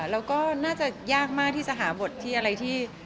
แล้วก็น่าจะยากมากที่จะหาบทที่อะไรที่